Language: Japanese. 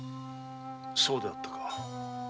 そうであったか。